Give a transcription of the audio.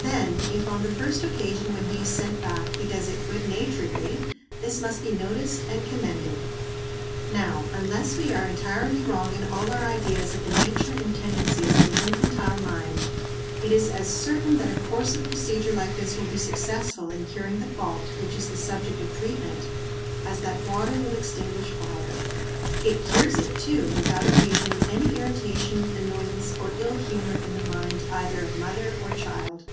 Then if, on the first occasion when he is sent back, he does take it good naturedly, this must be noticed and commended. Now, unless we are entirely wrong in all our ideas of the nature and tendencies of the infantile mind, it is as certain that a course of procedure like this will be successful in curing the fault which is the subject of treatment, as that water will extinguish fire. It cures it, too, without occasioning any irritation, annoyance, or ill humor in the mind either of mother or child.